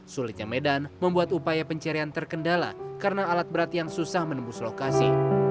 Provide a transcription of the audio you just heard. sulitnya medan membuat upaya pencarian terkendala karena alat berat yang susah menembus lokasi